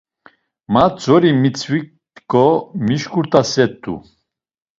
Ma tzori mitzvitǩo mişǩut̆aset̆u.